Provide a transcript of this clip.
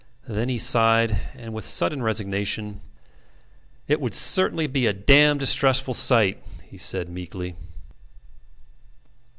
Then he sighed, and with sudden resignation: "It would certainly be a dam' distressful sight," he said, meekly.